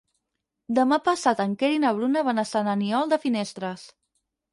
Demà passat en Quer i na Bruna van a Sant Aniol de Finestres.